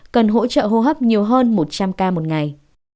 cần hỗ trợ hô hấp nhiều hơn một trăm linh ca một ngày